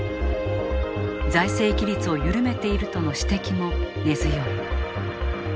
財政規律を緩めているとの指摘も根強い。